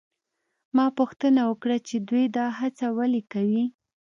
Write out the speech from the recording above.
ما پوښتنه وکړه چې دوی دا هڅه ولې کوي؟